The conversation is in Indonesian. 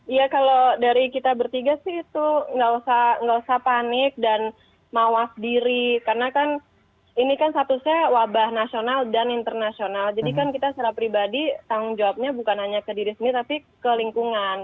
iya kalau dari kita bertiga sih itu nggak usah panik dan mawas diri karena kan ini kan statusnya wabah nasional dan internasional jadi kan kita secara pribadi tanggung jawabnya bukan hanya ke diri sendiri tapi ke lingkungan